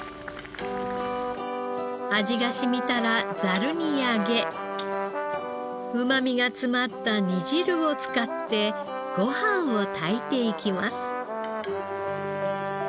味が染みたらざるに上げうまみが詰まった煮汁を使ってご飯を炊いていきます。